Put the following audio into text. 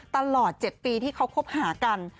ตลอด๗ปีที่เขาคบหากัน